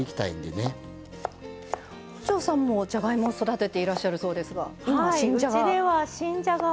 本上さんもじゃがいもを育てていらっしゃるそうですが今新じゃが。